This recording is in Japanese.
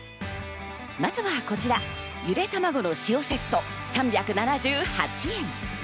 まずはこちら、ゆでたまごの塩セット、３７８円。